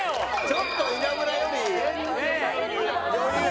ちょっと稲村より余裕。